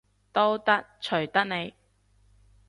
都得，隨得你